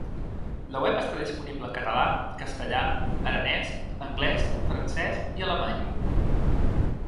La web està disponible en català, castellà, aranès, anglès, francès i alemany.